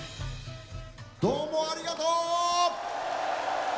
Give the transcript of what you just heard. どうもありがとう！